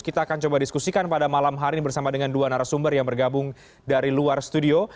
kita akan coba diskusikan pada malam hari ini bersama dengan dua narasumber yang bergabung dari luar studio